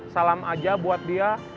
salam aja buat dia